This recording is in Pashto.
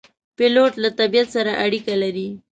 پیلوټ له طبیعت سره اړیکه لري.